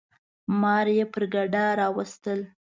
ماره یي پر ګډا راوستل.